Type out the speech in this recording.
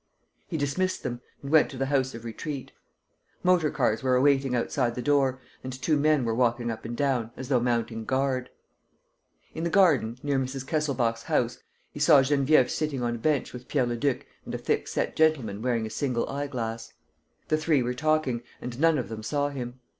He dismissed them and went to the House of Retreat. Motor cars were awaiting outside the door and two men were walking up and down, as though mounting guard. In the garden, near Mrs. Kesselbach's house, he saw Geneviève sitting on a bench with Pierre Leduc and a thick set gentleman wearing a single eye glass. The three were talking and none of them saw him.